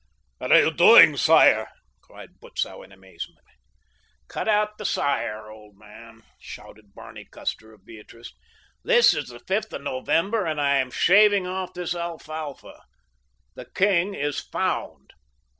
"What are you doing, sire?" cried Butzow in amazement. "Cut out the 'sire,' old man," shouted Barney Custer of Beatrice. "this is the fifth of November and I am shaving off this alfalfa. The king is found!"